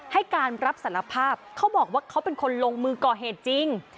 ให้การรับสารภาพเขาบอกว่าเขาเป็นคนลงมือก่อเหตุจริง